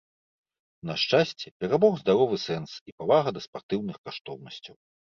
На шчасце, перамог здаровы сэнс і павага да спартыўных каштоўнасцяў.